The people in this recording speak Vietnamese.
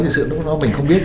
thực sự lúc đó mình không biết